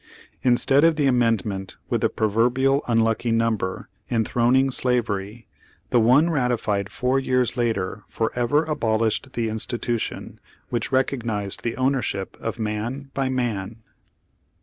Instead of the amendment with the proverbial unlucky number, enthroning slavery, the one ratified four years later forever Page Forty seven abolished the institution which recognized the ownership of man by man.